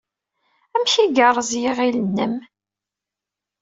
Amek ay yerreẓ yiɣil-nnem?